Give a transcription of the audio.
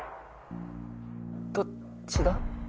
どっちだ？